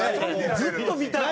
ずっと見たい。